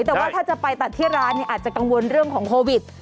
แต่ว่าถ้าจะไปตัดที่ร้านเนี่ยอาจจะกังวลเรื่องของโควิด